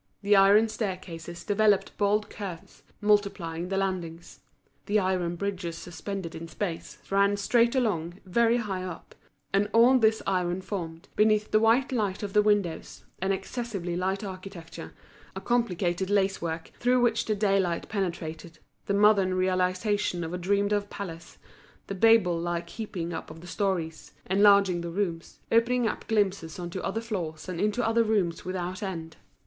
The iron staircases developed bold curves, multiplying the landings; the iron bridges suspended in space, ran straight along, very high up; and all this iron formed, beneath the white light of the windows, an excessively light architecture, a complicated lace work through which the daylight penetrated, the modern realisation of a dreamed of palace, of a Babel like heaping up of the storeys, enlarging the rooms, opening up glimpses on to other floors and into other rooms without end.